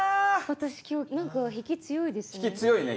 私今日何か引き強いですね。